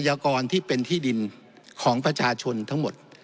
ยากรที่เป็นที่ดินของประชาชนทั้งหมด